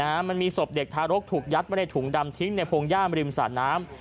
มันมีศพเด็กทารกถูกยัดไว้ในถุงดำทิ้งในพงย่ามริมสระน้ำ